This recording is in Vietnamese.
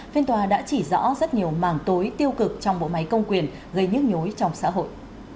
phiên tòa đã chỉ rõ rất nhiều mảng tối tiêu cực trong bộ máy công quyền gây nhức nhối trong xã hội